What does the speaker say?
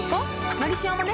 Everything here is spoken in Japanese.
「のりしお」もね